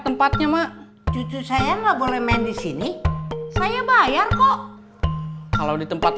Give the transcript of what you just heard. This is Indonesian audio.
tempatnya mak cucu saya nggak boleh main di sini saya bayar kok kalau di tempat